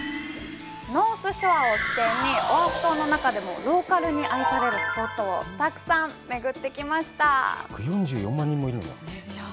ノースショアを起点にオアフ島の中でもローカルに愛されるスポットをたくさん巡ってきました１４４万人もいるんだいや